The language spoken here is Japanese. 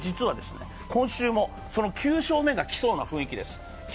実は今週もその９勝目がきそうな雰囲気です。